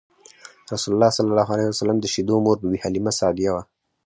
رسول الله ﷺ د شیدو مور بی بی حلیمه سعدیه وه.